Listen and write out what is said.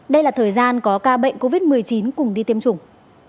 đây là thời gian có ca bệnh covid một mươi chín cùng đi tiêm chủng